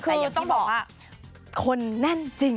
คือต้องบอกว่าคนแน่นจริง